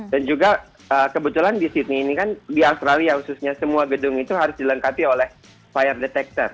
dan juga kebetulan di sydney ini kan di australia khususnya semua gedung itu harus dilengkapi oleh fire detector